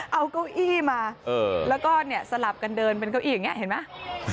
เอาเก้าอี้มาแล้วก็เนี่ยสลับกันเดินเป็นเก้าอี้อย่างนี้เห็นไหม